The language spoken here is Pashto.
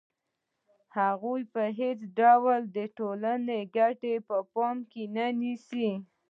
هغوی په هېڅ ډول د ټولنې ګټې په پام کې نه نیسي